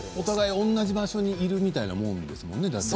お互い同じ場所にいるみたいなもんですもんね。